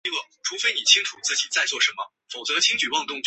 谢金銮于乾隆五十三年调任为福建省台湾府的嘉义县学教谕。